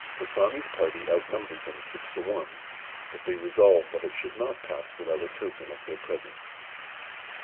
Bressani's party outnumbered them six to one; but they resolved that it should not pass without a token of their presence.